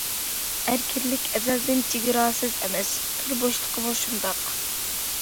ئەركىنلىك ئەزەلدىن چېگراسىز ئەمەس، تور بوشلۇقىمۇ شۇنداق.